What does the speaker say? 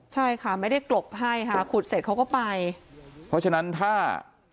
ใช่ค่ะไม่ได้กลบให้ค่ะขุดเสร็จเขาก็ไปเพราะฉะนั้นถ้า